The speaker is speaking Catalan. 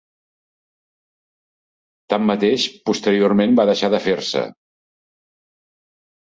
Tanmateix, posteriorment va deixar de fer-se.